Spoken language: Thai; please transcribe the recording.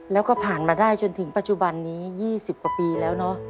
แล้วก็ผ่านมาได้จนถึงปัจจุบันนี้๒๐กว่าปีแล้วเนอะ